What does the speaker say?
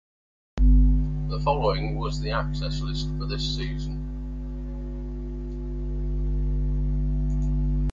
The following was the access list for this season.